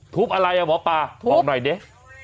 ทุบอะไรหมอป่าบอกหน่อยดิ